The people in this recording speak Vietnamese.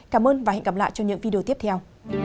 cảm ơn và hẹn gặp lại trong những video tiếp theo